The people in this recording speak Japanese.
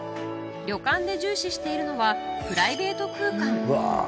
旅館で重視しているのはプライベート空間